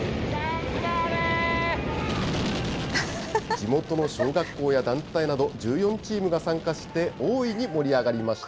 地元の小学校や団体など、１４チームが参加して大いに盛り上がりました。